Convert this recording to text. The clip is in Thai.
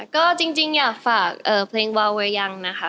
ก็จริงอยากฝากเพลงวาวไว้ยังนะคะ